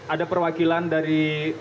ada perwakilan dari